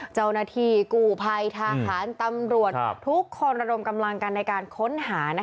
เจ้าหน้าที่กู้ภัยทหารตำรวจทุกคนระดมกำลังกันในการค้นหา